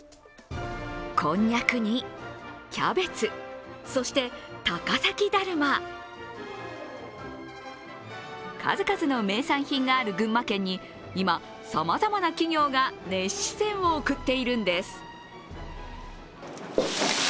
こんにゃくにキャベツそして高崎だるま数々の名産品がある群馬県に今、さまざまな企業が熱視線を送っているんです。